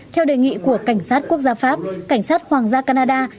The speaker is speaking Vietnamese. theo đề nghị của cảnh sát quốc gia pháp cảnh sát hoàng gia canada